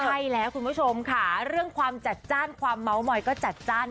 ใช่แล้วคุณผู้ชมค่ะเรื่องความจัดจ้านความเมาส์มอยก็จัดจ้าน